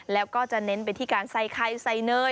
แล้วก็จะเน้นไปที่การใส่ไข่ใส่เนย